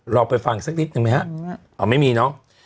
เราไปฟังสักนิดหนึ่งมั้ยฮะไม่มีเนาะ